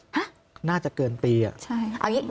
ฮะใช่น่าจะเกินปีอ่ะ